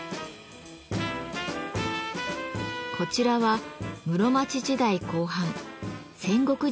こちらは室町時代後半戦国時代の刀です。